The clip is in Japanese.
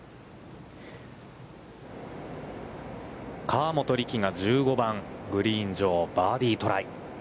河本力が１５番、グリーン上、バーディートライ。